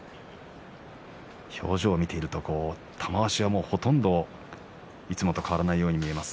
表情を見ていると玉鷲はほとんどいつもと変わらないように見えます。